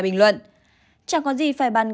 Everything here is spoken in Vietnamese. bình luận chẳng có gì phải bàn